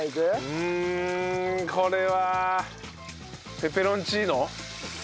うんこれは。ペペロンチーノ。